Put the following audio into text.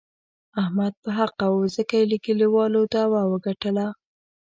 احمد په حقه و، ځکه یې له کلیوالو داوه و ګټله.